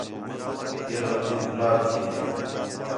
ہے غلطی بُھلّا تھئی ہے